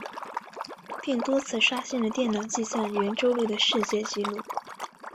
并多次刷新了电脑计算圆周率的世界纪录。